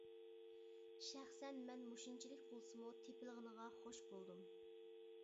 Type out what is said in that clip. شەخسەن مەن مۇشۇنچىلىك بولسىمۇ تېپىلغىنىغا خوش بولدۇم.